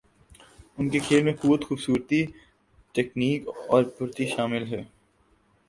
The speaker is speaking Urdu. ان کے کھیل میں قوت، خوبصورتی ، تکنیک اور پھرتی شامل ہے